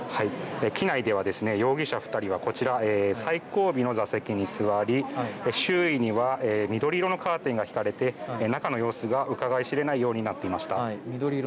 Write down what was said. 機内では容疑者２人はこちら、最後尾の座席に座り周囲には緑色のカーテンが引かれて中の様子がうかがい知れないようになっていました。